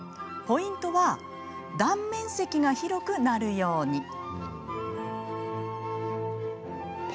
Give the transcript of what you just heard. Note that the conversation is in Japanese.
ポイントは断面積が広くなるように。